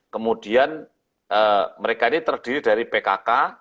kemudian mereka ini terdiri dari pkk